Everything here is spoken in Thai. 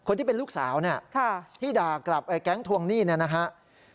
ที่เป็นลูกสาวเนี่ยที่ด่ากลับแก๊งทวงหนี้เนี่ยนะครับ